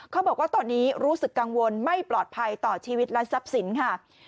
เขาบอกว่าตอนนี้รู้สึกกังวลไม่ปลอดภัยต่อชีวิตและทรัพย์สินค่ะ